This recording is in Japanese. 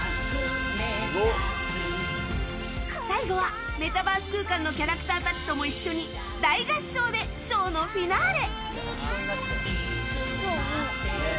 最後は、メタバース空間のキャラクターたちとも一緒に大合唱でショーのフィナーレ！